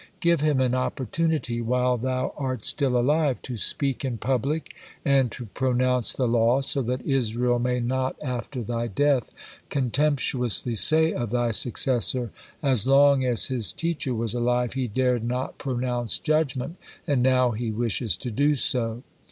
Give him an opportunity, while thou art still alive, to speak in public and to pronounce the law, so that Israel may not after thy death contemptuously say of thy successor, 'As long as his teacher was alive, he dared not pronounce judgement, and now he wishes to do so!'